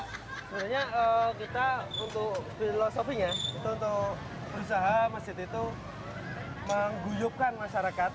sebenarnya kita untuk filosofinya itu untuk perusahaan masjid itu mengguyupkan masyarakat